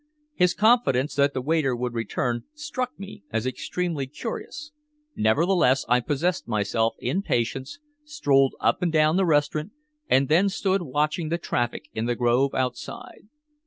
His confidence that the waiter would return struck me as extremely curious; nevertheless I possessed myself in patience, strolled up and down the restaurant, and then stood watching the traffic in the Grove outside.